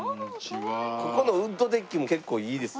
ここのウッドデッキも結構いいです。